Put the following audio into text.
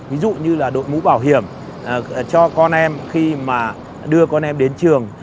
ví dụ như là đội mũ bảo hiểm cho con em khi mà đưa con em đến trường